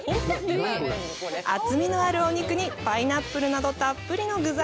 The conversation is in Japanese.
厚みのあるお肉にパイナップルなどたっぷりの具材。